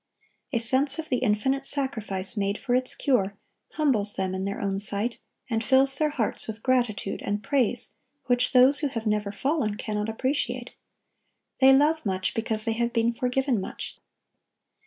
A sense of the infinite sacrifice made for its cure, humbles them in their own sight, and fills their hearts with gratitude and praise which those who have never fallen cannot appreciate. They love much, because they have been forgiven much.